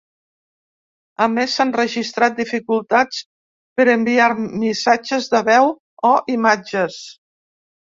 A més, s’han registrat dificultats per enviar missatges de veu o imatges.